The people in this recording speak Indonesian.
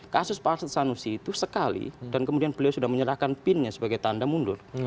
kasus pak arsat sanusi itu sekali dan kemudian beliau sudah menyerahkan bin nya sebagai tanda mundur